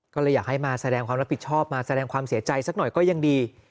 ก็เลยอยากให้มาแสดงความรับผิดชอบมาแสดงความเสียใจสักหน่อยก็ยังดี